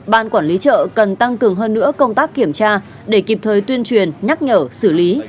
ban quản lý chợ cần tăng cường hơn nữa công tác kiểm tra để kịp thời tuyên truyền nhắc nhở xử lý